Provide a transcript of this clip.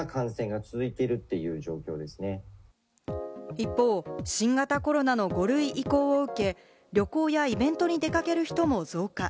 一方、新型コロナの５類移行を受け、旅行やイベントに出掛ける人も増加。